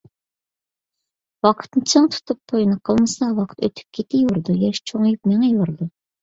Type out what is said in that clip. ۋاقىتنى چىڭ تۇتۇپ توينى قىلمىسا، ۋاقىت ئۆتۈپ كېتىۋېرىدۇ، ياش چوڭىيىپ مېڭىۋېرىدۇ.